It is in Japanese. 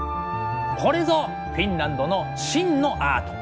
これぞフィンランドの真のアート。